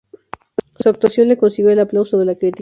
Su actuación le consiguió el aplauso de la crítica.